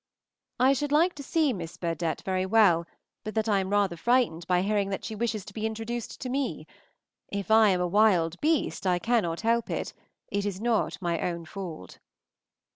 I should like to see Miss Burdett very well, but that I am rather frightened by hearing that she wishes to be introduced to me. If I am a wild beast, I cannot help it. It is not my own fault.